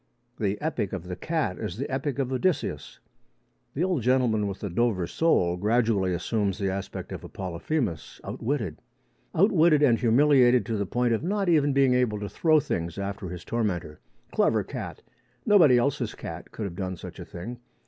The epic of the cat is the epic of Odysseus. The old gentleman with the Dover sole gradually assumes the aspect of a Polyphemus outwitted outwitted and humiliated to the point of not even being able to throw things after his tormentor. Clever cat! Nobody else's cat could have done such a thing.